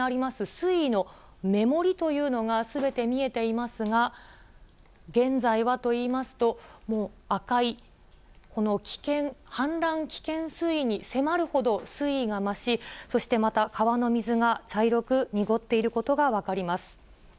水位の目盛りというのがすべて見えていますが、現在はといいますと、もう赤い、この氾濫危険水位に迫るほど、水位が増し、そしてまた、川の水が茶色く濁っていることが分かります。